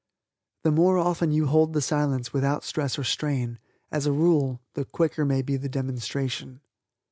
The more often you hold the Silence without stress or strain, as a rule, the quicker may be the demonstration.